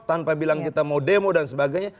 tanpa bilang kita mau demo dan sebagainya